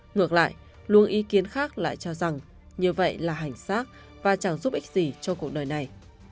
ngược lại luôn ý kiến khác lại cho rằng như vậy là hành xác và chẳng giúp ích gì cho cuộc đời này